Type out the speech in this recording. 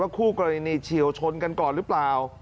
คู่กรณีเฉียวชนกันก่อนหรือเปล่า